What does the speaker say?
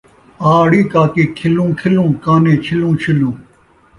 آ ڑی کاکی کھِلوں کھِلوں کانے چھِلوں چھِلوں